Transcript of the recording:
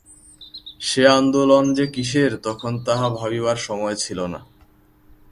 সে আন্দোলন যে কিসের তখন তাহা ভাবিবার সময় ছিল না।